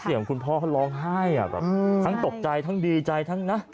คุณพ่อเขาร้องไห้แบบทั้งตกใจทั้งดีใจทั้งนะ